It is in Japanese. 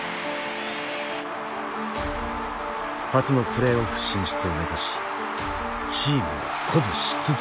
初のプレーオフ進出を目指しチームを鼓舞し続けた。